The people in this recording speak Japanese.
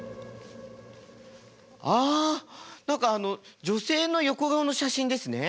何か女性の横顔の写真ですね。